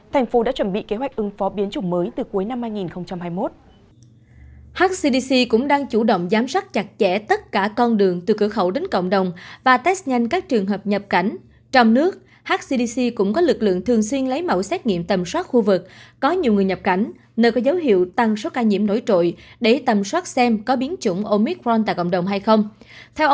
hãy đăng ký kênh để ủng hộ kênh của chúng mình nhé